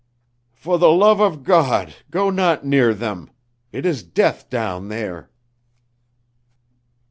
"For the love of God, go not near them. It is death down there."